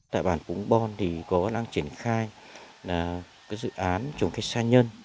tại bản cúng bon thì có đang triển khai dự án chống khách xa nhân